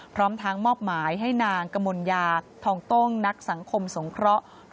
พร้อมทั้งมอบหมายให้นางกมลยาทองต้งนักสังคมสงเคราะห์